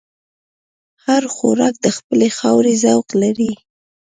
هر خوراک د خپلې خاورې ذوق لري.